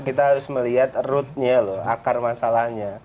kita harus melihat rootnya loh akar masalahnya